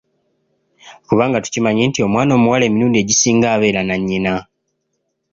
Kubanga tukimanyi nti omwana omuwala emirundi egisinga abeera nannyina.